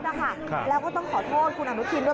แล้วก็ต้องขอโทษคุณอนุทินด้วย